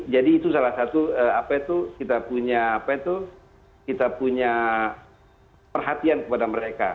jadi itu salah satu apa itu kita punya apa itu kita punya perhatian kepada mereka